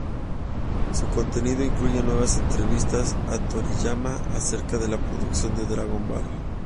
Su contenido incluye nuevas entrevistas a Toriyama acerca de la producción de "Dragon Ball".